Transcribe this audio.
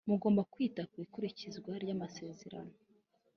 Mugomba kwita ku ikurikizwa ry’amasezerano